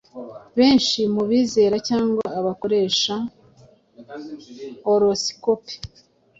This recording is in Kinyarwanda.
Benshi mu bizera cyangwa abakoresha horoscope